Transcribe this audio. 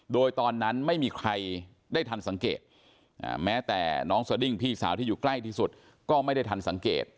โดยตอนนั้นไม่มีใครได้ทันสังเกตแม้แต่น้องสดิ้งพี่สาวที่อยู่ใกล้ที่สุดก็ไม่ได้ทันสังเกต